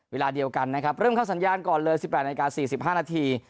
เวลาเดียวกันนะครับเริ่มเข้าสัญญาณก่อนเลยสิบแปดนาฬิกาสี่สิบห้านาที